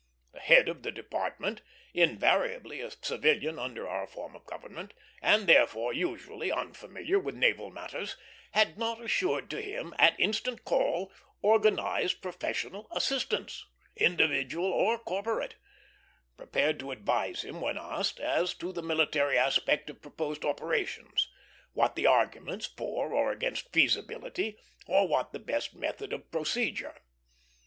The head of the Department, invariably a civilian under our form of government, and therefore usually unfamiliar with naval matters, had not assured to him, at instant call, organized professional assistance, individual or corporate, prepared to advise him, when asked, as to the military aspect of proposed operations, what the arguments for or against feasibility, or what the best method of procedure.